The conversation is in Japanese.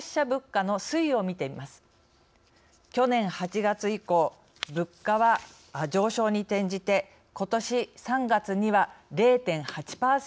去年８月以降物価は上昇に転じてことし３月には０．８％の上昇。